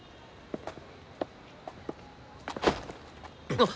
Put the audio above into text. あっ！